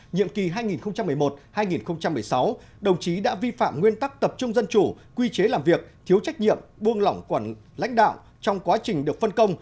nhiệm kỳ hai nghìn một mươi một hai nghìn một mươi sáu đồng chí đã vi phạm nguyên tắc tập trung dân chủ quy chế làm việc thiếu trách nhiệm buông lỏng quản lãnh đạo trong quá trình được phân công